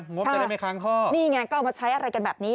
งบจะได้ไม่ค้างท่อนี่ไงก็เอามาใช้อะไรกันแบบนี้